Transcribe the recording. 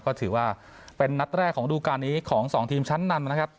ก็ถือว่าเป็นนัดแรกของดูการนี้ของ๒ทีมชั้นนำนะครับ